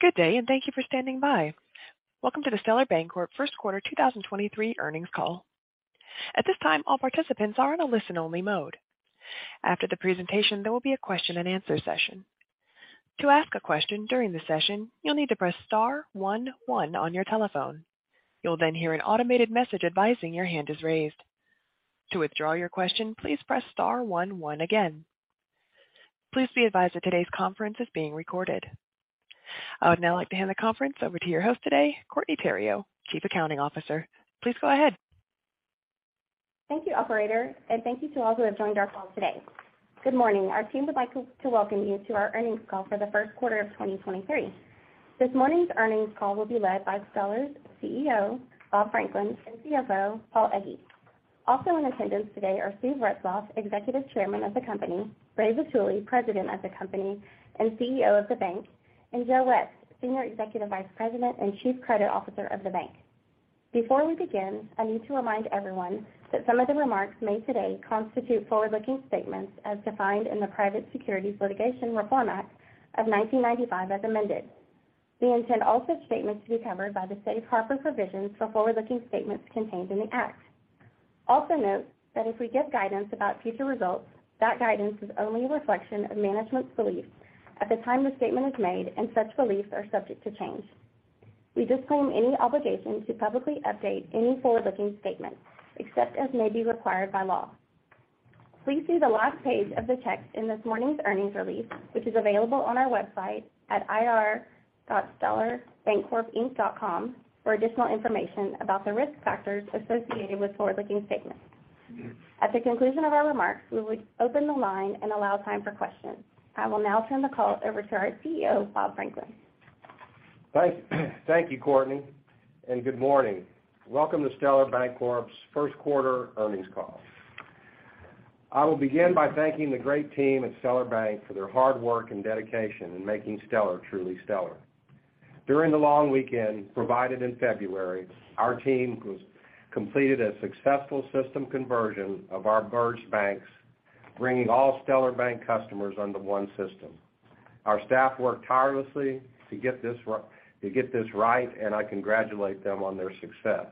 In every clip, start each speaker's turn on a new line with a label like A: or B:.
A: Good day, and thank you for standing by. Welcome to the Stellar Bancorp first quarter 2023 Earnings Call. At this time, all participants are in a listen-only mode. After the presentation, there will be a question-and-answer session. To ask a question during the session, you'll need to press star 11 on your telephone. You'll then hear an automated message advising your hand is raised. To withdraw your question, please press star 11 again. Please be advised that today's conference is being recorded. I would now like to hand the conference over to your host today, Courtney Theriot, Chief Accounting Officer. Please go ahead.
B: Thank you, operator, thank you to all who have joined our call today. Good morning. Our team would like to welcome you to our earnings call for the first quarter of 2023. This morning's earnings call will be led by Stellar's CEO, Bob Franklin, and CFO, Paul Egge. Also in attendance today are Steve Retzloff, Executive Chairman of the company, Ray Vitulli, President of the company and CEO of the bank, and Joe West, Senior Executive Vice President and Chief Credit Officer of the bank. Before we begin, I need to remind everyone that some of the remarks made today constitute forward-looking statements as defined in the Private Securities Litigation Reform Act of 1995 as amended. We intend all such statements to be covered by the safe harbor provisions for forward-looking statements contained in the act. Note that if we give guidance about future results, that guidance is only a reflection of management's beliefs at the time the statement is made, such beliefs are subject to change. We disclaim any obligation to publicly update any forward-looking statements except as may be required by law. Please see the last page of the text in this morning's earnings release, which is available on our website at ir.stellarbancorpinc.com for additional information about the risk factors associated with forward-looking statements. At the conclusion of our remarks, we will open the line and allow time for questions. I will now turn the call over to our CEO, Bob Franklin.
C: Thank you, Courtney, and good morning. Welcome to Stellar Bancorp's first quarter earnings call. I will begin by thanking the great team at Stellar Bank for their hard work and dedication in making Stellar truly stellar. During the long weekend provided in February, our team completed a successful system conversion of our merged banks, bringing all Stellar Bank customers onto one system. Our staff worked tirelessly to get this right, and I congratulate them on their success.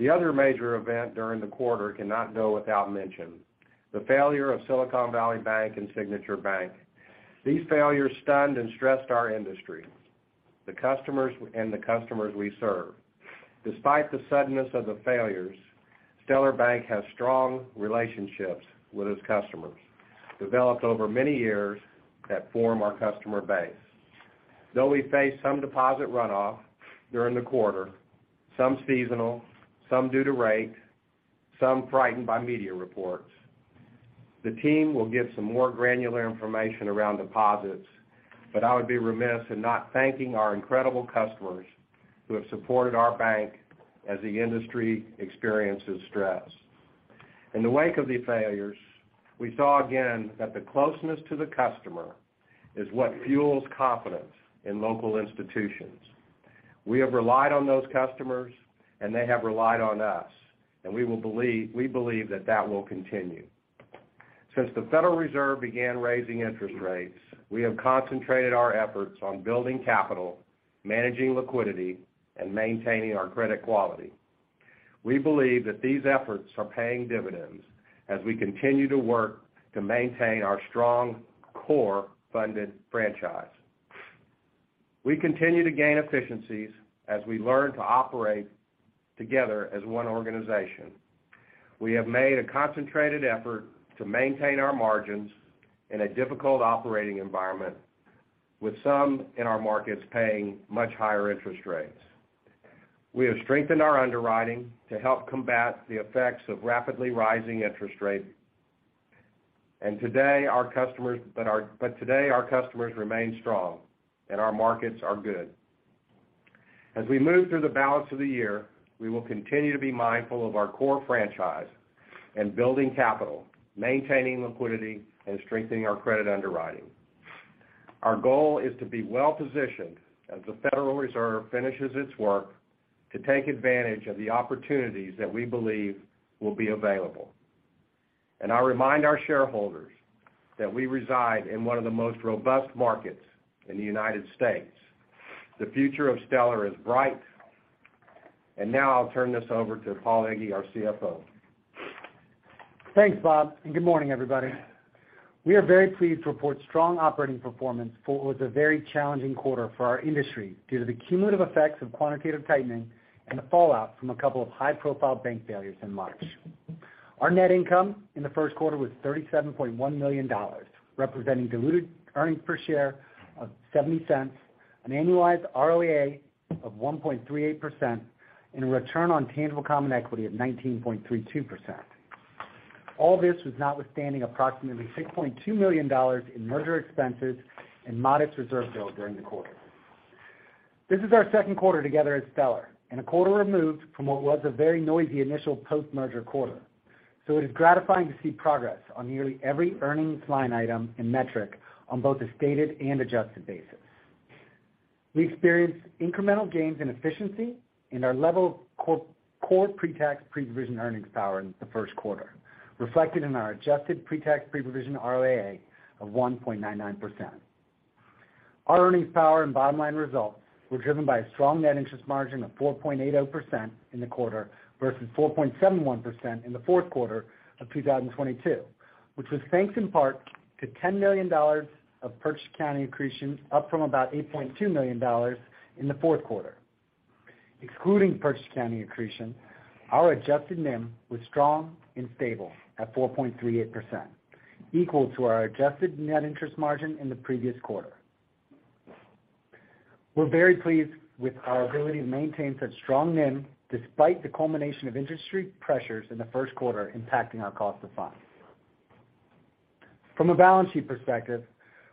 C: The other major event during the quarter cannot go without mention, the failure of Silicon Valley Bank and Signature Bank. These failures stunned and stressed our industry and the customers we serve. Despite the suddenness of the failures, Stellar Bank has strong relationships with its customers, developed over many years that form our customer base. Though we face some deposit runoff during the quarter, some seasonal, some due to rate, some frightened by media reports. The team will give some more granular information around deposits, but I would be remiss in not thanking our incredible customers who have supported our bank as the industry experiences stress. In the wake of these failures, we saw again that the closeness to the customer is what fuels confidence in local institutions. We have relied on those customers, and they have relied on us, and we believe that that will continue. Since the Federal Reserve began raising interest rates, we have concentrated our efforts on building capital, managing liquidity, and maintaining our credit quality. We believe that these efforts are paying dividends as we continue to work to maintain our strong core funded franchise. We continue to gain efficiencies as we learn to operate together as one organization. We have made a concentrated effort to maintain our margins in a difficult operating environment, with some in our markets paying much higher interest rates. We have strengthened our underwriting to help combat the effects of rapidly rising interest rate. Today, our customers remain strong, and our markets are good. As we move through the balance of the year, we will continue to be mindful of our core franchise and building capital, maintaining liquidity, and strengthening our credit underwriting. Our goal is to be well-positioned as the Federal Reserve finishes its work to take advantage of the opportunities that we believe will be available. I remind our shareholders that we reside in one of the most robust markets in the United States. The future of Stellar is bright. Now I'll turn this over to Paul Egge, our CFO.
D: Thanks, Bob. Good morning, everybody. We are very pleased to report strong operating performance for what was a very challenging quarter for our industry due to the cumulative effects of quantitative tightening and the fallout from a couple of high-profile bank failures in March. Our net income in the first quarter was $37.1 million, representing diluted earnings per share of $0.70, an annualized ROA of 1.38% and a return on tangible common equity of 19.32%. All this was notwithstanding approximately $6.2 million in merger expenses and modest reserve build during the quarter. This is our second quarter together at Stellar and a quarter removed from what was a very noisy initial post-merger quarter. It is gratifying to see progress on nearly every earnings line item and metric on both a stated and adjusted basis. We experienced incremental gains in efficiency and our level Core pre-tax, pre-provision earnings power in the first quarter, reflected in our adjusted pre-tax, pre-provision ROAA of 1.99%. Our earnings power and bottom line results were driven by a strong net interest margin of 4.80% in the quarter versus 4.71% in the fourth quarter of 2022, which was thanks in part to $10 million of purchase accounting accretion, up from about $8.2 million in the fourth quarter. Excluding purchase accounting accretion, our adjusted NIM was strong and stable at 4.38%, equal to our adjusted net interest margin in the previous quarter. We're very pleased with our ability to maintain such strong NIM despite the culmination of industry pressures in the first quarter impacting our cost of funds. From a balance sheet perspective,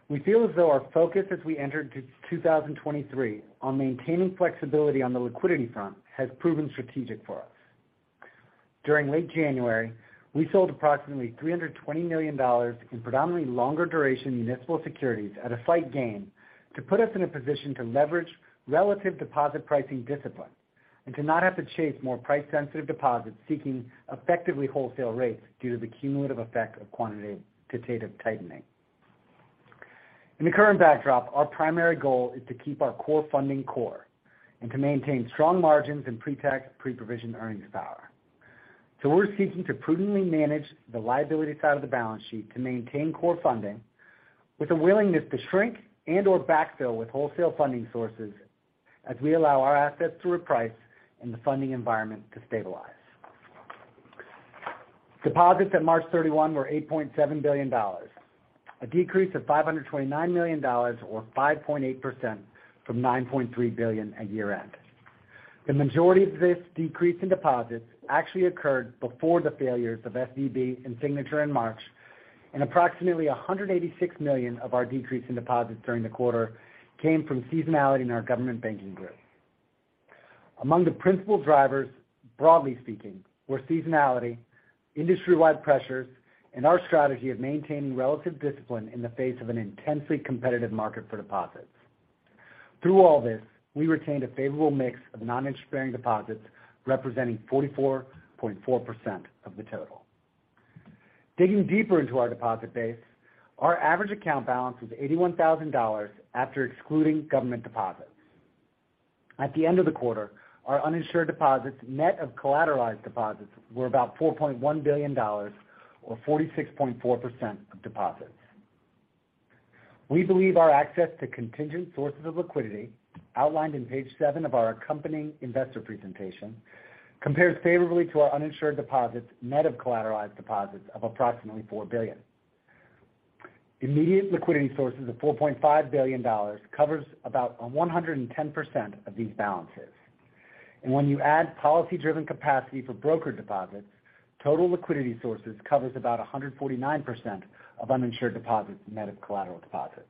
D: we feel as though our focus as we entered to 2023 on maintaining flexibility on the liquidity front has proven strategic for us. During late January, we sold approximately $320 million in predominantly longer duration municipal securities at a slight gain to put us in a position to leverage relative deposit pricing discipline and to not have to chase more price sensitive deposits seeking effectively wholesale rates due to the cumulative effect of quantitative tightening. In the current backdrop, our primary goal is to keep our core funding core and to maintain strong margins in pre-tax, pre-provision earnings power. We're seeking to prudently manage the liability side of the balance sheet to maintain core funding with a willingness to shrink and/or backfill with wholesale funding sources as we allow our assets to reprice and the funding environment to stabilize. Deposits at March 31 were $8.7 billion, a decrease of $529 million or 5.8% from $9.3 billion at year-end. The majority of this decrease in deposits actually occurred before the failures of SVB and Signature in March, and approximately $186 million of our decrease in deposits during the quarter came from seasonality in our government banking group. Among the principal drivers, broadly speaking, were seasonality, industry-wide pressures, and our strategy of maintaining relative discipline in the face of an intensely competitive market for deposits. Through all this, we retained a favorable mix of non-interest-bearing deposits representing 44.4% of the total. Digging deeper into our deposit base, our average account balance was $81,000 after excluding government deposits. At the end of the quarter, our uninsured deposits, net of collateralized deposits, were about $4.1 billion or 46.4% of deposits. We believe our access to contingent sources of liquidity outlined in page seven of our accompanying investor presentation compares favorably to our uninsured deposits, net of collateralized deposits of approximately $4 billion. Immediate liquidity sources of $4.5 billion covers about 110% of these balances. When you add policy-driven capacity for broker deposits, total liquidity sources covers about 149% of uninsured deposits, net of collateral deposits.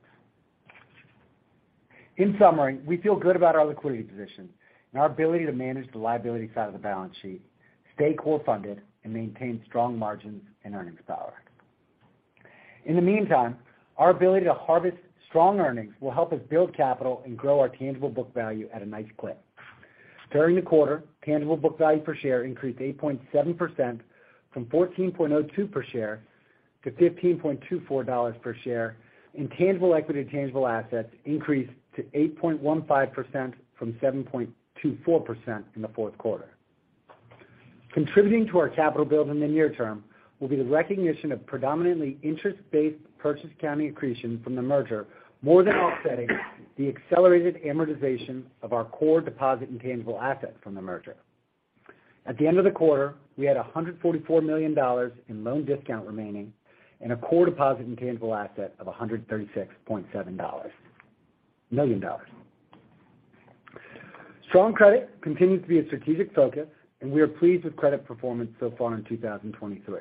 D: In summary, we feel good about our liquidity position and our ability to manage the liability side of the balance sheet, stay core funded, and maintain strong margins and earnings power. In the meantime, our ability to harvest strong earnings will help us build capital and grow our tangible book value at a nice clip. During the quarter, tangible book value per share increased 8.7% from $14.02 per share to $15.24 per share, and tangible equity to tangible assets increased to 8.15% from 7.24% in the fourth quarter. Contributing to our capital build in the near term will be the recognition of predominantly interest-based purchase accounting accretion from the merger more than offsetting the accelerated amortization of our core deposit and tangible assets from the merger. At the end of the quarter, we had $144 million in loan discount remaining and a core deposit and tangible asset of $136.7 million. Strong credit continues to be a strategic focus, and we are pleased with credit performance so far in 2023.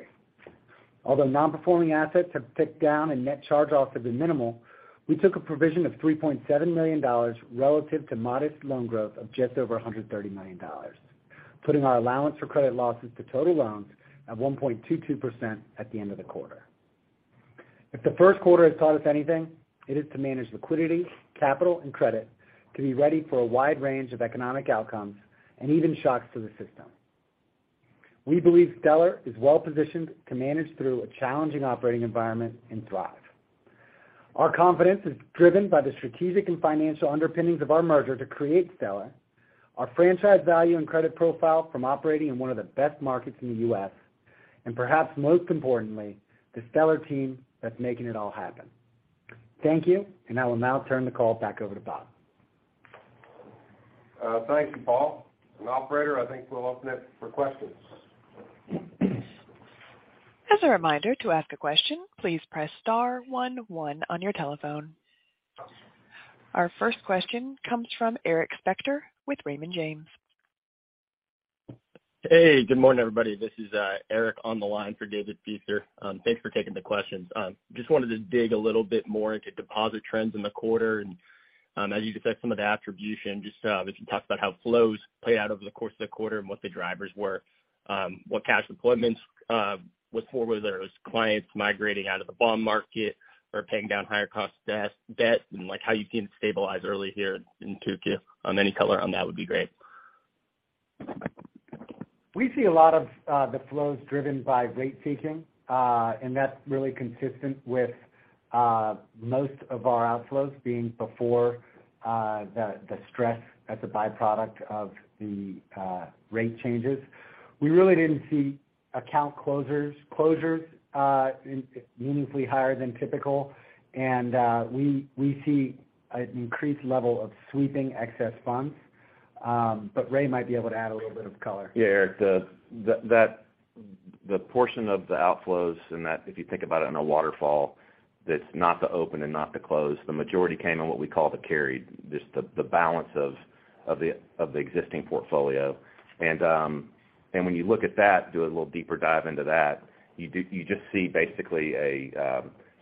D: Although non-performing assets have ticked down and net charge-offs have been minimal, we took a provision of $3.7 million relative to modest loan growth of just over $130 million, putting our allowance for credit losses to total loans at 1.22% at the end of the quarter. If the first quarter has taught us anything, it is to manage liquidity, capital and credit to be ready for a wide range of economic outcomes and even shocks to the system. We believe Stellar is well positioned to manage through a challenging operating environment and thrive. Our confidence is driven by the strategic and financial underpinnings of our merger to create Stellar, our franchise value and credit profile from operating in one of the best markets in the U.S., and perhaps most importantly, the Stellar team that's making it all happen. Thank you. I will now turn the call back over to Bob.
C: Thank you, Paul. Operator, I think we'll open it for questions.
A: As a reminder, to ask a question, please press star one one on your telephone. Our first question comes from Eric Spector with Raymond James.
E: Hey, good morning, everybody. This is Eric on the line for David Feaster. Thanks for taking the questions. Just wanted to dig a little bit more into deposit trends in the quarter. As you could say, some of the attribution, just, if you could talk about how flows played out over the course of the quarter and what the drivers were. What cash deployments was for, whether it was clients migrating out of the bond market or paying down higher cost debt, and like how you can stabilize early here in two Q. Any color on that would be great.
D: We see a lot of the flows driven by rate seeking, and that's really consistent with most of our outflows being before the stress as a byproduct of the rate changes. We really didn't see account closures, in, meaningfully higher than typical. We see an increased level of sweeping excess funds. Ray might be able to add a little bit of color.
F: Yeah, Eric. The portion of the outflows, and that if you think about it in a waterfall, that's not the open and not the close. The majority came in what we call the carried, just the balance of the existing portfolio. When you look at that, do a little deeper dive into that, you just see basically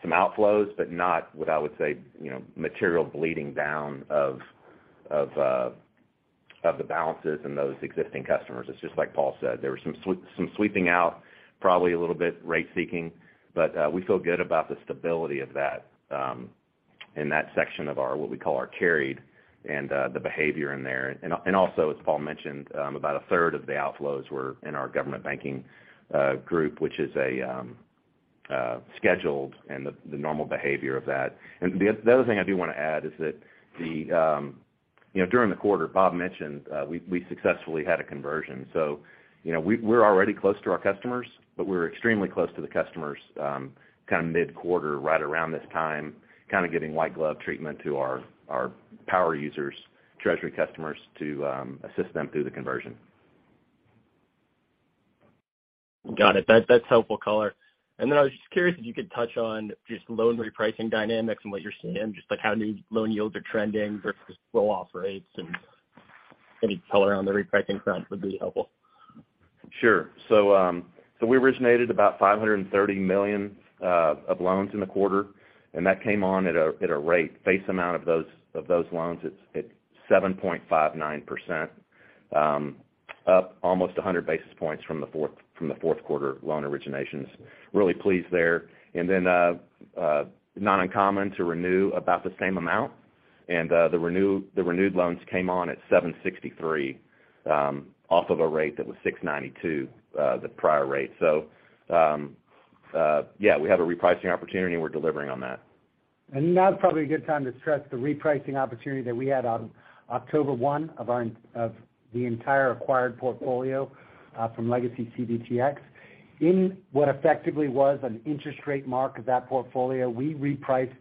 F: some outflows, but not what I would say, you know, material bleeding down of the balances in those existing customers. It's just like Paul said, there was some sweeping out, probably a little bit rate seeking, but we feel good about the stability of that in that section of our, what we call our carried and the behavior in there. Also, as Paul mentioned, about a third of the outflows were in our government banking group, which is a scheduled and the normal behavior of that. The other thing I do wanna add is that, you know, during the quarter, Bob mentioned, we successfully had a conversion. You know, we're already close to our customers, but we're extremely close to the customers, kind of mid-quarter, right around this time, kind of giving white glove treatment to our power users, treasury customers to assist them through the conversion.
E: Got it. That's helpful color. I was just curious if you could touch on just loan repricing dynamics and what you're seeing, just like how new loan yields are trending versus flow off rates, and any color around the repricing front would be helpful.
F: Sure. We originated about $530 million of loans in the quarter, and that came on at a rate. Face amount of those loans is at 7.59%, up almost 100 basis points from the fourth quarter loan originations. Really pleased there. Not uncommon to renew about the same amount. The renewed loans came on at 7.63%, off of a rate that was 6.92%, the prior rate. Yeah, we have a repricing opportunity, and we're delivering on that.
D: Now is probably a good time to stress the repricing opportunity that we had on October 1 of the entire acquired portfolio from Legacy CBTx. In what effectively was an interest rate mark of that portfolio, we repriced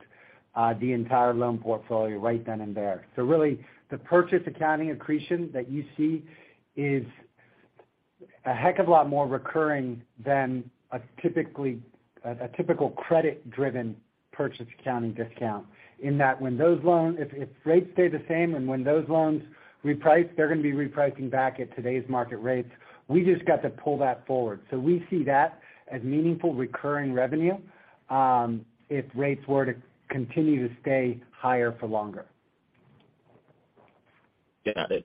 D: the entire loan portfolio right then and there. Really, the purchase accounting accretion that you see is a heck of a lot more recurring than a typical credit-driven purchase accounting discount in that when those loans, if rates stay the same and when those loans reprice, they're gonna be repricing back at today's market rates. We just got to pull that forward. We see that as meaningful recurring revenue if rates were to continue to stay higher for longer.
E: Got it.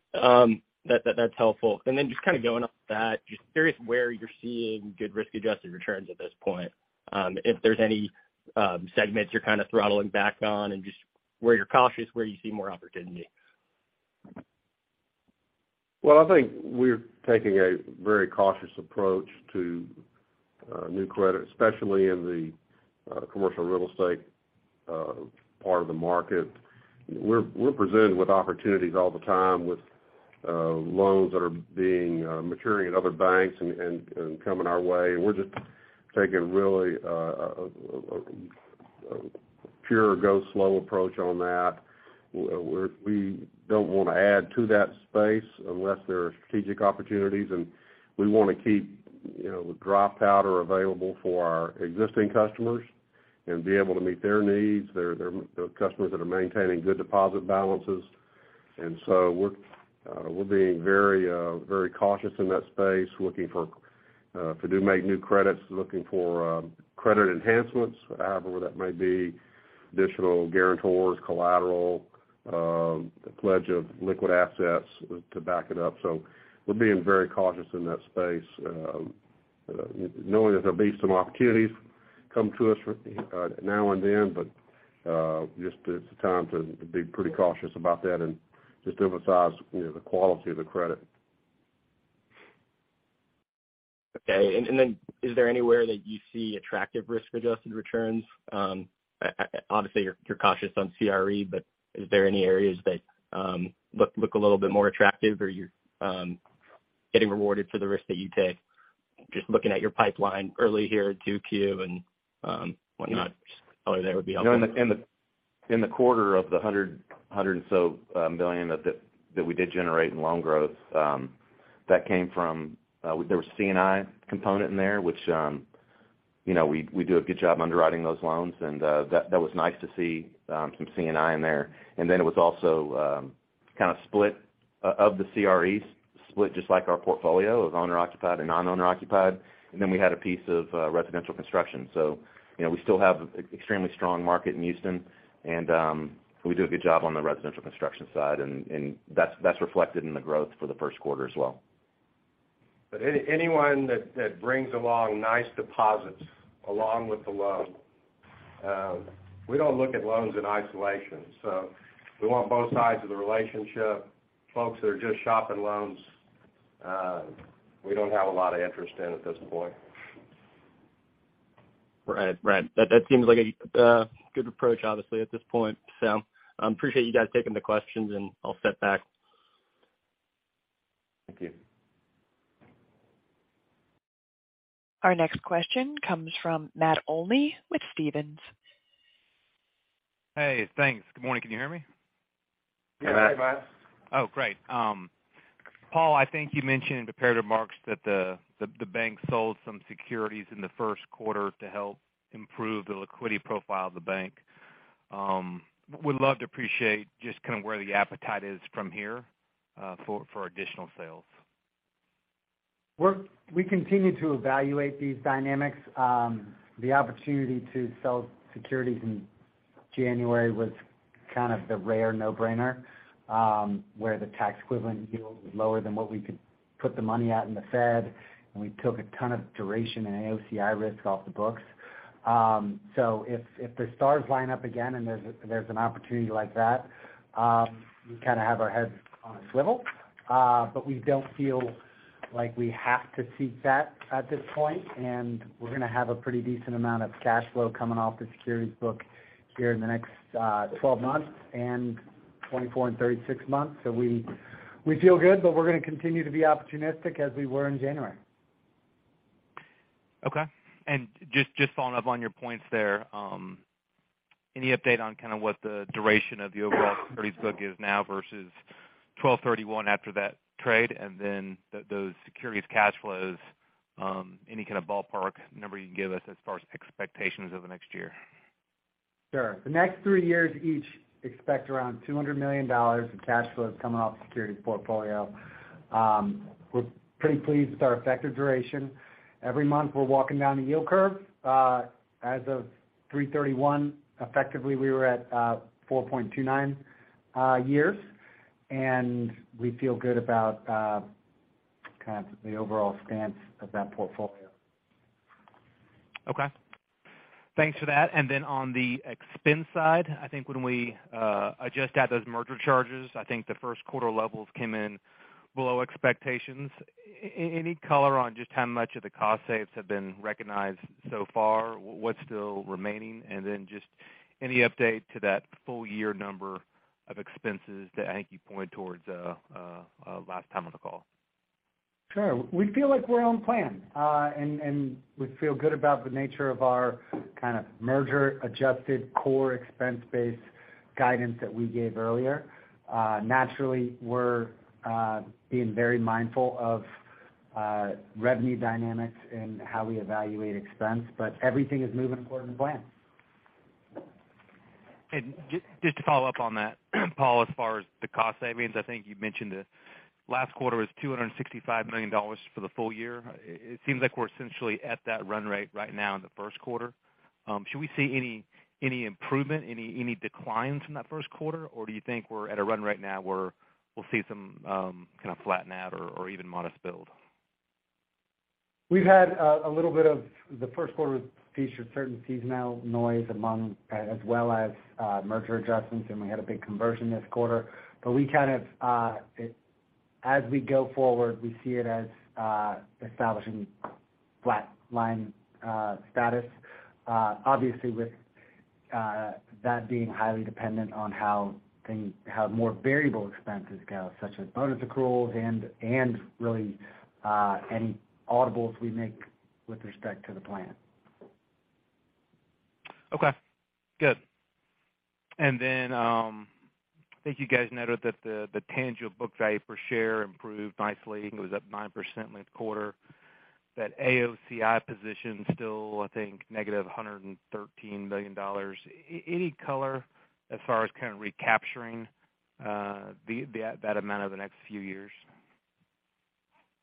E: That's helpful. Just kind of going off that, just curious where you're seeing good risk-adjusted returns at this point, if there's any segments you're kind of throttling back on, and just where you're cautious, where you see more opportunity?
G: I think we're taking a very cautious approach to new credit, especially in the Commercial Real Estate part of the market. We're presented with opportunities all the time with loans that are maturing at other banks and coming our way. We're just taking really a pure go slow approach on that. We don't wanna add to that space unless there are strategic opportunities, and we wanna keep, you know, the dry powder available for our existing customers and be able to meet their needs. They're customers that are maintaining good deposit balances. We're being very, very cautious in that space, looking for, to make new credits, looking for, credit enhancements, however that may be, additional guarantors, collateral, the pledge of liquid assets to back it up. We're being very cautious in that space, knowing that there'll be some opportunities come to us now and then, but just it's a time to be pretty cautious about that and just emphasize, you know, the quality of the credit.
E: Okay. Is there anywhere that you see attractive risk-adjusted returns? Obviously, you're cautious on CRE, but is there any areas that look a little bit more attractive, or you're getting rewarded for the risk that you take? Just looking at your pipeline early here in two Q and, whatnot. Just color there would be helpful.
F: You know, in the quarter of the hundred and so billion that we did generate in loan growth, that came from, there was C&I component in there, which, you know, we do a good job underwriting those loans, and that was nice to see some C&I in there. It was also, kind of split, of the CREs split just like our portfolio of owner-occupied and non-owner-occupied. We had a piece of residential construction. You know, we still have extremely strong market in Houston, and we do a good job on the residential construction side, and that's reflected in the growth for the first quarter as well.
D: Anyone that brings along nice deposits along with the loan. We don't look at loans in isolation, so we want both sides of the relationship. Folks that are just shopping loans, we don't have a lot of interest in at this point.
H: Right. That seems like a good approach, obviously, at this point. Appreciate you guys taking the questions, and I'll step back.
D: Thank you.
A: Our next question comes from Matt Olney with Stephens.
H: Hey, thanks. Good morning. Can you hear me?
D: Yeah. Hey, Matt.
H: Great. Paul, I think you mentioned in the prepared remarks that the bank sold some securities in the first quarter to help improve the liquidity profile of the bank. Would love to appreciate just kind of where the appetite is from here for additional sales.
D: We continue to evaluate these dynamics. The opportunity to sell securities in January was kind of the rare no-brainer, where the tax equivalent yield was lower than what we could put the money at in the Fed, and we took a ton of duration and AOCI risk off the books. If the stars line up again and there's an opportunity like that, we kind of have our heads on a swivel. We don't feel like we have to seek that at this point, and we're gonna have a pretty decent amount of cash flow coming off the securities book here in the next, 12 months and 24 and 36 months. We feel good, we're gonna continue to be opportunistic as we were in January.
H: Okay. Just following up on your points there, any update on kind of what the duration of the overall securities book is now versus 12/31 after that trade and then those securities cash flows, any kind of ballpark number you can give us as far as expectations over the next year?
D: Sure. The next three years each expect around $200 million in cash flows coming off the securities portfolio. We're pretty pleased with our effective duration. Every month, we're walking down the yield curve. As of 3/31, effectively, we were at 4.29 years, and we feel good about kind of the overall stance of that portfolio.
H: Okay. Thanks for that. Then on the expense side, I think when we adjust out those merger charges, I think the first quarter levels came in below expectations. Any color on just how much of the cost saves have been recognized so far, what's still remaining? Then just any update to that full year number of expenses that I think you pointed towards last time on the call?
D: Sure. We feel like we're on plan. We feel good about the nature of our kind of merger-adjusted core expense base guidance that we gave earlier. Naturally, we're being very mindful of revenue dynamics and how we evaluate expense, but everything is moving according to plan.
H: Just to follow up on that, Paul, as far as the cost savings, I think you mentioned the last quarter was $265 million for the full year. It seems like we're essentially at that run rate right now in the first quarter. Should we see any improvement, any declines in that first quarter? Or do you think we're at a run rate now where we'll see some kind of flatten out or even modest build?
D: We've had a little bit of the first quarter featured certain seasonal noise as well as merger adjustments, and we had a big conversion this quarter. We kind of, as we go forward, we see it as establishing flatline status, obviously with that being highly dependent on how things, more variable expenses go, such as bonus accruals and really any audibles we make with respect to the plan.
H: Okay. Good. I think you guys noted that the tangible book value per share improved nicely. I think it was up 9% in the quarter. That AOCI position still, I think, negative $113 million. Any color as far as kind of recapturing that amount over the next few years?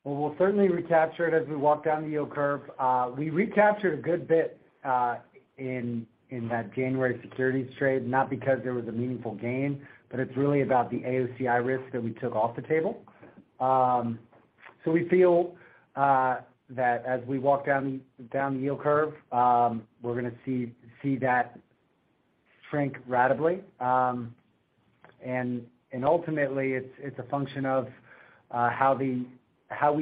D: We'll certainly recapture it as we walk down the yield curve. We recaptured a good bit in that January securities trade, not because there was a meaningful gain, but it's really about the AOCI risk that we took off the table. We feel that as we walk down the yield curve, we're gonna see that shrink ratably. And ultimately, it's a function of how we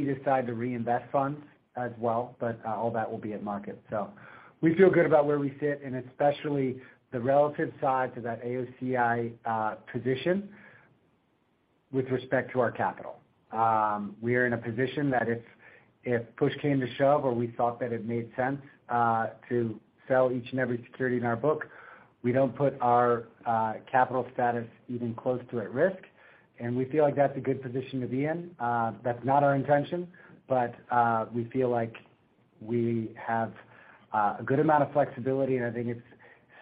D: decide to reinvest funds as well, but all that will be at market. We feel good about where we sit and especially the relative side to that AOCI position with respect to our capital. We are in a position that if push came to shove or we thought that it made sense to sell each and every security in our book, we don't put our capital status even close to at risk. We feel like that's a good position to be in. That's not our intention, but we feel like we have a good amount of flexibility, and I think it's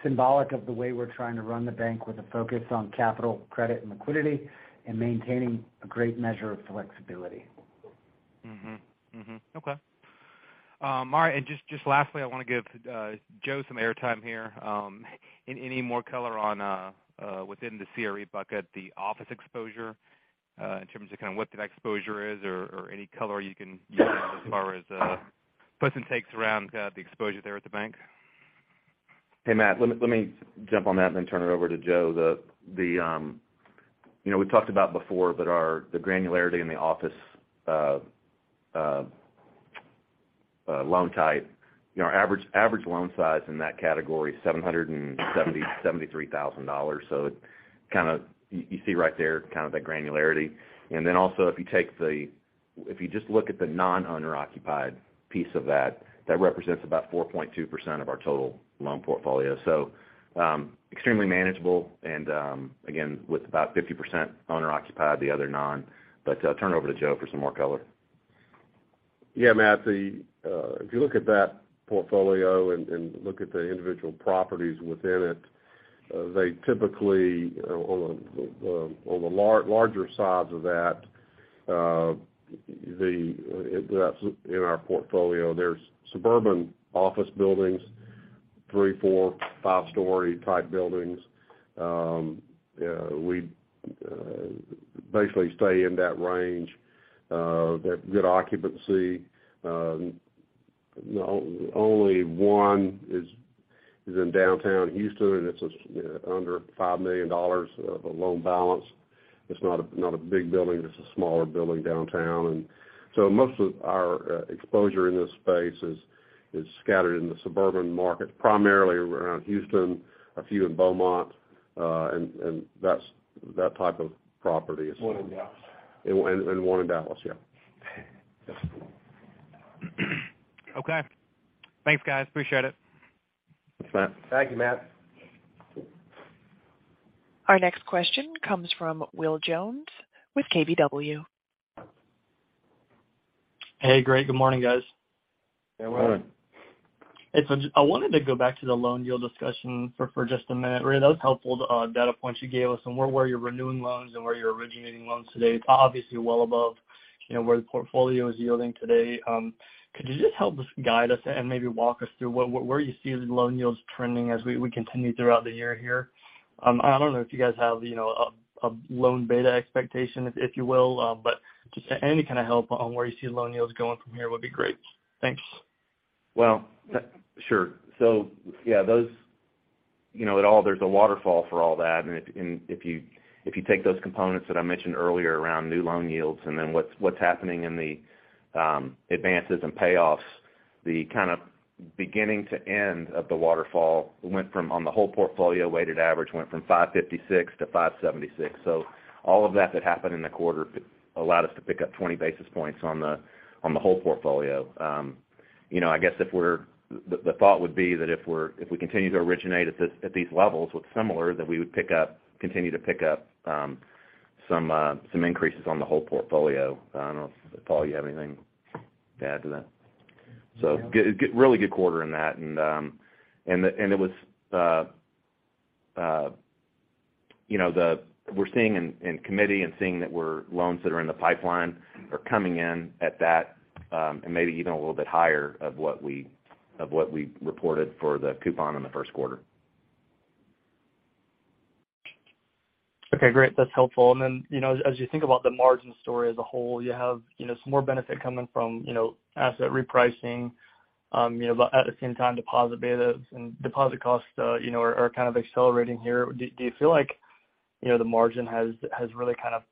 D: symbolic of the way we're trying to run the bank with a focus on capital, credit and liquidity and maintaining a great measure of flexibility.
H: Mm-hmm. Mm-hmm. Okay. All right. Just lastly, I wanna give Joe some airtime here. Any more color on within the CRE bucket, the office exposure, in terms of kind of what that exposure is or any color you can give as far as puts and takes around the exposure there at the bank?
F: Hey, Matt, let me jump on that and then turn it over to Joe. The, you know, we talked about before, the granularity in the office loan type, you know, our average loan size in that category is $773,000. You see right there kind of the granularity. Also if you take if you just look at the non-owner-occupied piece of that represents about 4.2% of our total loan portfolio. Extremely manageable and, again, with about 50% owner-occupied, the other non. I'll turn over to Joe for some more color.
D: Yeah, Matt, the if you look at that portfolio and look at the individual properties within it, they typically, on the larger size of that's in our portfolio, there's suburban office buildings, three, four, five story type buildings. We basically stay in that range. They have good occupancy. Only one is in downtown Houston, and it's just, you know, under $5 million of a loan balance. It's not a big building. It's a smaller building downtown. Most of our exposure in this space is scattered in the suburban markets, primarily around Houston, a few in Beaumont, and that's that type of properties.
H: One in Dallas.
D: One in Dallas, yeah.
H: Okay. Thanks, guys. Appreciate it.
F: Thanks, Matt.
D: Thank you, Matt.
B: Our next question comes from Will Jones with KBW.
I: Hey, great. Good morning, guys.
F: Good morning.
D: Good morning.
I: I wanted to go back to the loan yield discussion for just a minute. Ray, that was helpful, the data point you gave us on where you're renewing loans and where you're originating loans today. It's obviously well above, you know, where the portfolio is yielding today. Could you just help us guide us and maybe walk us through where you see the loan yields trending as we continue throughout the year here? I don't know if you guys have, you know, a loan beta expectation, if you will. Just any kind of help on where you see loan yields going from here would be great. Thanks.
F: Well, sure. Yeah, those, you know, at all there's a waterfall for all that. If you take those components that I mentioned earlier around new loan yields and then what's happening in the advances and payoffs, the kind of beginning to end of the waterfall went from, on the whole portfolio, weighted average went from 5.56%-5.76%. All of that that happened in the quarter allowed us to pick up 20 basis points on the whole portfolio. You know, I guess the thought would be that if we continue to originate at these levels with similar, that we would pick up, continue to pick up, some increases on the whole portfolio. I don't know if, Paul, you have anything to add to that.
D: No.
F: Get really good quarter in that. It was, you know, we're seeing in committee and seeing that we're loans that are in the pipeline are coming in at that, and maybe even a little bit higher of what we, of what we reported for the coupon in the first quarter.
I: Okay, great. That's helpful. Then, you know, as you think about the margin story as a whole, you have, you know, some more benefit coming from, you know, asset repricing, you know, but at the same time, deposit betas and deposit costs, you know, are kind of accelerating here. Do you feel like, you know, the margin has really kind of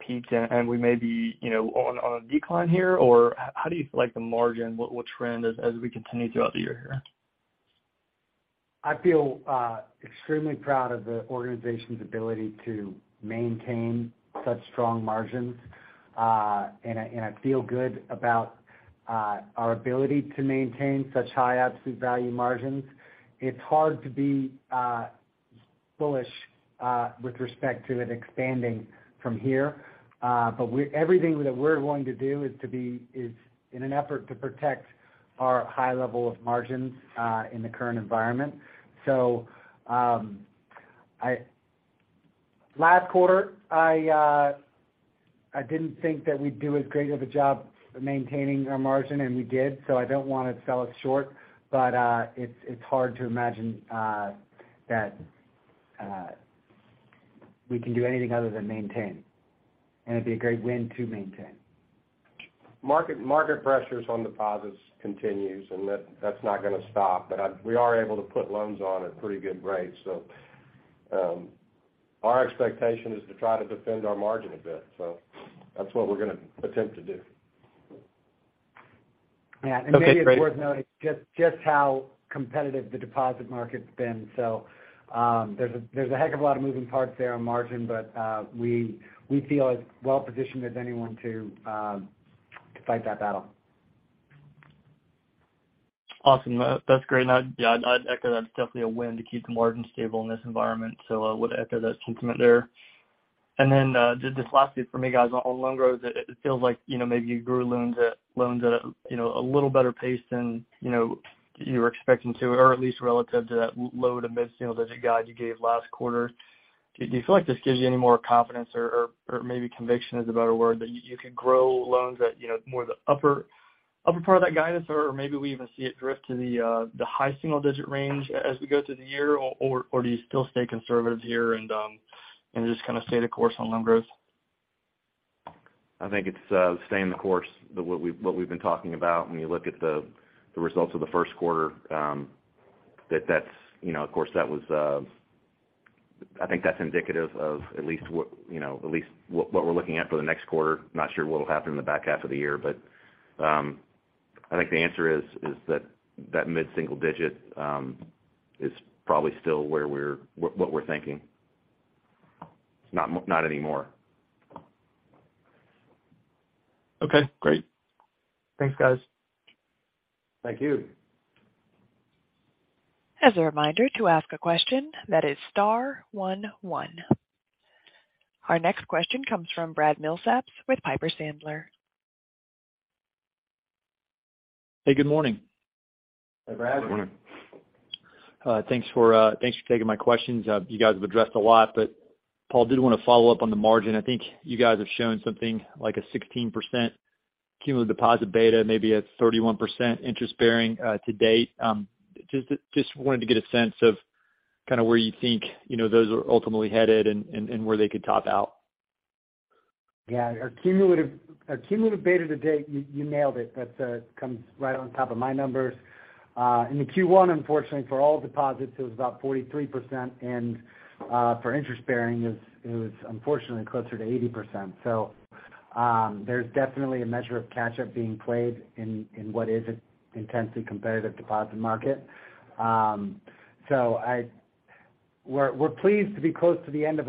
I: peaked and we may be, you know, on a decline here? Or how do you feel like the margin will trend as we continue throughout the year here?
D: I feel extremely proud of the organization's ability to maintain such strong margins. I feel good about our ability to maintain such high absolute value margins. It's hard to be bullish with respect to it expanding from here. Everything that we're willing to do is in an effort to protect our high level of margins in the current environment. Last quarter, I didn't think that we'd do as great of a job maintaining our margin and we did, so I don't wanna sell it short. It's hard to imagine that we can do anything other than maintain. It'd be a great win to maintain.
F: Market pressures on deposits continues and that's not gonna stop. We are able to put loans on at pretty good rates. Our expectation is to try to defend our margin a bit. That's what we're gonna attempt to do.
I: Okay, great.
D: Yeah. Maybe it's worth noting just how competitive the deposit market's been. There's a heck of a lot of moving parts there on margin, but we feel as well positioned as anyone to fight that battle.
I: Awesome. That's great. I'd, yeah, I'd echo that. It's definitely a win to keep the margin stable in this environment. I would echo that sentiment there. Then, just lastly for me, guys, on loan growth, it feels like, you know, maybe you grew loans at a, you know, a little better pace than, you know, you were expecting to or at least relative to that low to mid single-digit guide you gave last quarter. Do you feel like this gives you any more confidence or maybe conviction is a better word, that you could grow loans at, you know, more the upper part of that guidance? Maybe we even see it drift to the high single digit range as we go through the year, or do you still stay conservative here and just kind of stay the course on loan growth?
D: I think it's staying the course that what we've been talking about when you look at the results of the first quarter, that's, you know, of course that was. I think that's indicative of at least what, you know, at least what we're looking at for the next quarter. Not sure what'll happen in the back half of the year, but I think the answer is that mid-single digit is probably still where we're thinking. It's not any more.
I: Okay, great. Thanks, guys.
D: Thank you.
B: As a reminder, to ask a question, that is star one one. Our next question comes from Brad Milsaps with Piper Sandler.
J: Hey, good morning.
D: Hey, Brad.
I: Good morning.
J: Thanks for, thanks for taking my questions. You guys have addressed a lot. Paul, I did wanna follow up on the margin. I think you guys have shown something like a 16% cumulative deposit beta, maybe a 31% interest-bearing, to date. Just wanted to get a sense of kind of where you think, you know, those are ultimately headed and where they could top out?
D: Yeah. Our cumulative beta to date, you nailed it. That's. Comes right on top of my numbers. In the Q1, unfortunately for all deposits, it was about 43% and for interest-bearing it was unfortunately closer to 80%. There's definitely a measure of catch-up being played in what is an intensely competitive deposit market. We're pleased to be close to the end of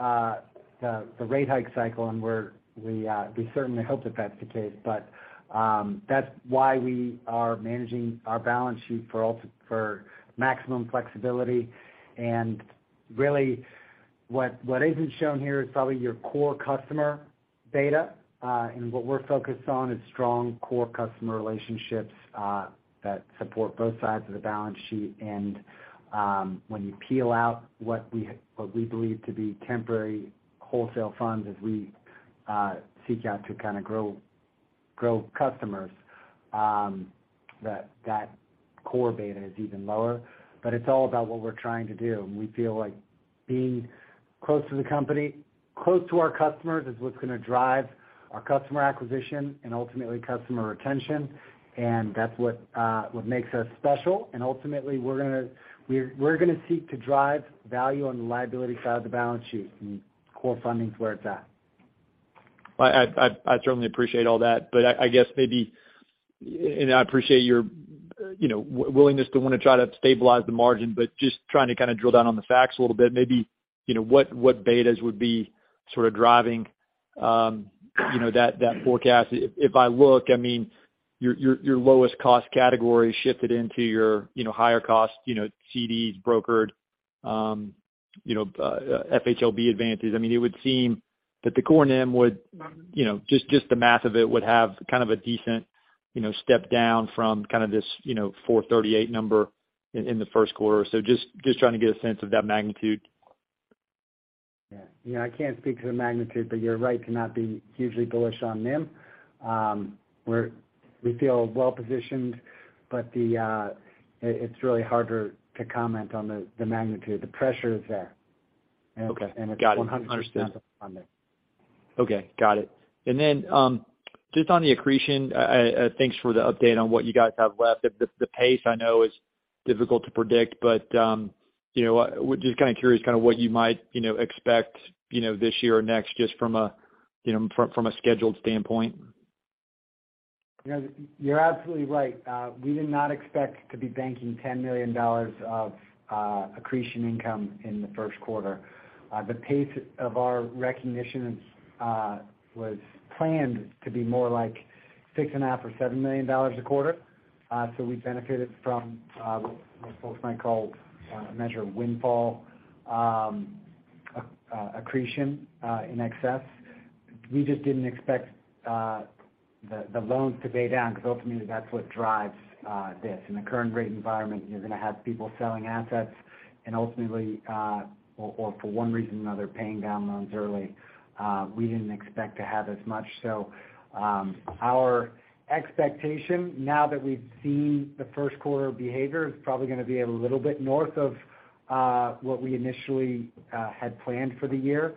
D: the rate hike cycle, and we certainly hope that that's the case. That's why we are managing our balance sheet for maximum flexibility. Really what isn't shown here is probably your core customer data. What we're focused on is strong core customer relationships that support both sides of the balance sheet. When you peel out what we believe to be temporary wholesale funds as we seek out to kind of grow customers, that core beta is even lower. It's all about what we're trying to do. We feel like being close to the company, close to our customers is what's gonna drive our customer acquisition and ultimately customer retention. That's what makes us special. Ultimately we're gonna seek to drive value on the liability side of the balance sheet, and core funding is where it's at.
J: I certainly appreciate all that, but I guess maybe. I appreciate your, you know, willingness to wanna try to stabilize the margin, but just trying to kind of drill down on the facts a little bit, maybe, you know, what betas would be sort of driving, you know, that forecast. If I look, I mean, your lowest cost category shifted into your, you know, higher cost, you know, CDs brokered, you know, FHLB advances. I mean, it would seem that the core NIM would, you know, just the math of it would have kind of a decent, you know, step down from kind of this, you know, 4.38% number in the first quarter. Just trying to get a sense of that magnitude.
D: You know, I can't speak to the magnitude, but you're right to not be hugely bullish on NIM. We feel well positioned, but it's really harder to comment on the magnitude. The pressure is there.
J: Okay. Got it. 100%.
D: It's funding.
J: Okay, got it. Just on the accretion, thanks for the update on what you guys have left. The pace I know is difficult to predict, but, you know, just kinda curious kinda what you might, you know, expect, you know, this year or next, just from a, you know, from a scheduled standpoint.
D: You know, you're absolutely right. We did not expect to be banking $10 million of accretion income in the first quarter. The pace of our recognition was planned to be more like six and a half or $7 million a quarter. We benefited from what folks might call a measure of windfall accretion in excess. We just didn't expect the loans to pay down because ultimately that's what drives this. In the current rate environment you're gonna have people selling assets and ultimately, or for one reason or another, paying down loans early. We didn't expect to have as much. Our expectation now that we've seen the first quarter behavior, is probably gonna be a little bit north of what we initially had planned for the year.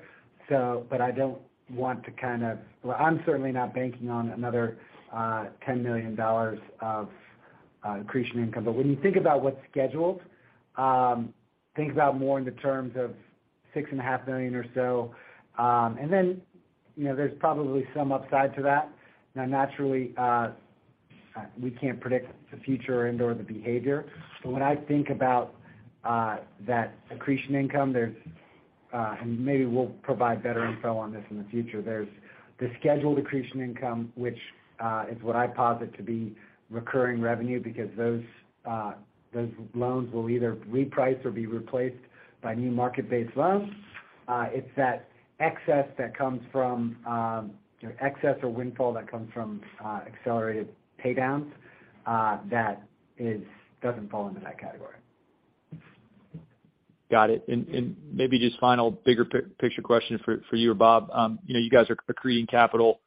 D: I don't want to well, I'm certainly not banking on another $10 million of accretion income. When you think about what's scheduled, think about more in the terms of $6.5 million or so. You know, there's probably some upside to that. Naturally, we can't predict the future and/or the behavior, when I think about that accretion income, there's maybe we'll provide better info on this in the future. There's the scheduled accretion income which is what I posit to be recurring revenue because those loans will either reprice or be replaced by new market-based loans. It's that excess that comes from, you know, excess or windfall that comes from accelerated pay downs that doesn't fall into that category.
J: Got it. Maybe just final bigger picture question for you or Bob. you know, you guys are accreting capital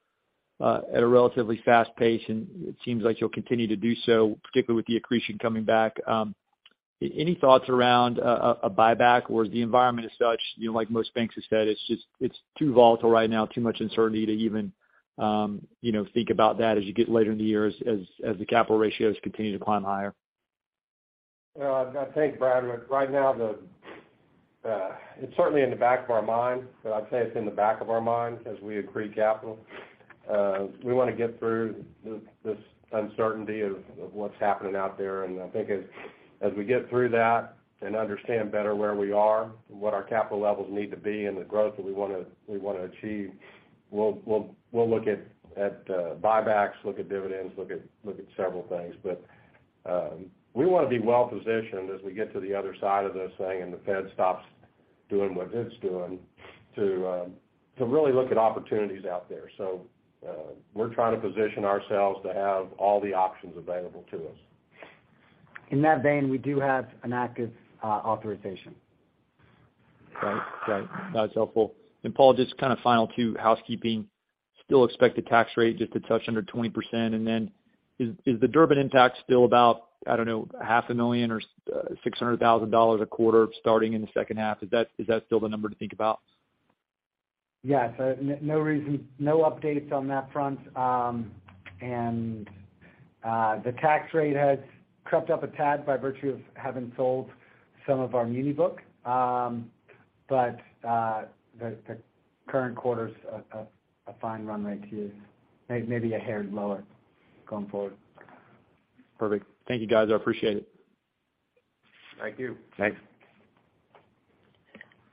J: at a relatively fast pace, and it seems like you'll continue to do so, particularly with the accretion coming back. any thoughts around a buyback or is the environment as such, you know, like most banks have said, it's too volatile right now, too much uncertainty to even, you know, think about that as you get later in the year as the capital ratios continue to climb higher?
C: Well, I think, Brad, right now the, it's certainly in the back of our mind, but I'd say it's in the back of our mind as we accrete capital. We wanna get through this uncertainty of what's happening out there. I think as we get through that and understand better where we are and what our capital levels need to be and the growth that we wanna achieve, we'll look at buybacks, look at dividends, look at several things. We wanna be well-positioned as we get to the other side of this thing and the Fed stops doing what it's doing to really look at opportunities out there. We're trying to position ourselves to have all the options available to us.
D: In that vein, we do have an active, authorization.
J: Right. That's helpful. Paul, just kind of final two housekeeping. Still expect the tax rate just to touch under 20%. Is the Durbin impact still about, I don't know, half a million or $600,000 a quarter starting in the second half? Is that still the number to think about?
D: Yes. No reason, no updates on that front. The tax rate has crept up a tad by virtue of having sold some of our muni book. The current quarter's a fine run rate here. Maybe a hair lower going forward.
J: Perfect. Thank you, guys. I appreciate it.
C: Thank you.
D: Thanks.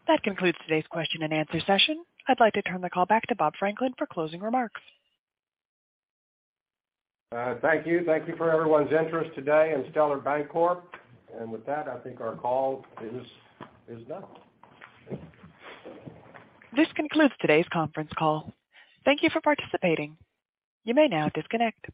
A: That concludes today's question and answer session. I'd like to turn the call back to Bob Franklin for closing remarks.
C: Thank you. Thank you for everyone's interest today in Stellar Bancorp. With that, I think our call is done.
A: This concludes today's conference call. Thank you for participating. You may now disconnect.